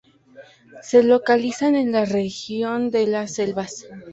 Se localiza en la región de Las Selvas.